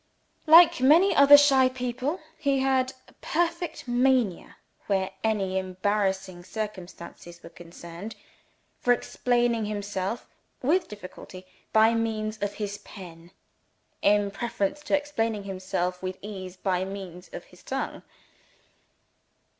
Like many other shy people, he had a perfect mania, where any embarrassing circumstances were concerned, for explaining himself, with difficulty, by means of his pen, in preference to explaining himself, with ease, by means of his tongue.